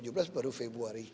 setelah kita balik cuti